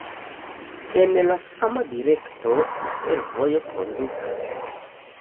En la sama direkto, la fervojo kondukas.